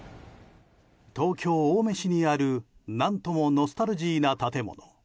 東京・青梅市にある何ともノスタルジーな建物。